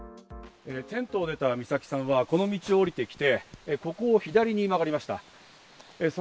テントを出た美咲さんは、この道を下りてきて、ここを左に曲がりました。